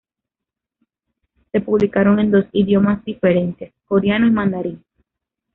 Se publicaron en dos idiomas diferentes, coreano y mandarín.